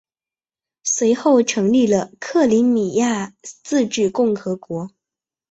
随后成立了克里米亚自治共和国。